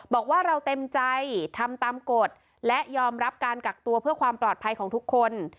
บอกว่าเราเต็มใจทำตามกฎและยอมรับการกักตัวเพื่อความปลอดภัยของทุกคน